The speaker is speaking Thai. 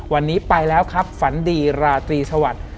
วันนี้ไปแล้วครับฝันดีราตรีสวัสดิ์